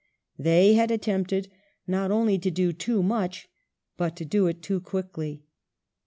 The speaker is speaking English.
They had attempted not only to do too much, but to do it too quickly.